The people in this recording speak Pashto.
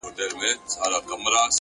د فکر کیفیت پایلې بدلوي